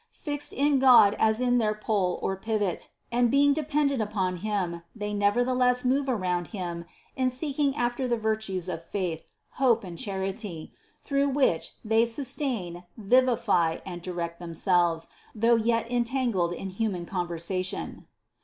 Fixed in God as in their pole or pivot and being dependent upon 70 CITY OF GOD Him they nevertheless move around Him in seeking after the virtues of faith, hope and charity, through which they sustain, vivify and direct themselves though yet en tangled in human conversation.